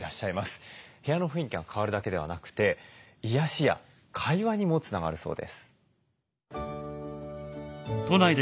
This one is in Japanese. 部屋の雰囲気が変わるだけでなくて癒やしや会話にもつながるそうです。